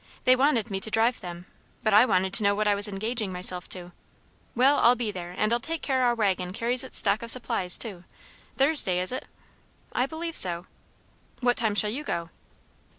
They wanted me to drive them, but I wanted to know what I was engaging myself to. Well, I'll be there, and I'll take care our waggon carries its stock of supplies too. Thursday, is it?" "I believe so." "What time shall you go?"